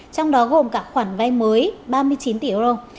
trong đó gồm cả khoản vay mới ba mươi chín tỷ euro